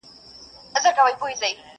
ورور گلوي له مظلومانو سره وایي،